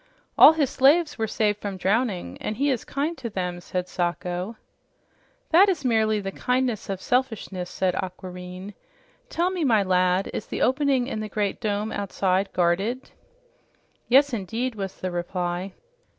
"All his slaves were saved from drowning, and he is kind to them," said Sacho. "That is merely the kindness of selfishness," said Aquareine. "Tell me, my lad, is the opening in the great dome outside guarded?" "Yes indeed," was the reply.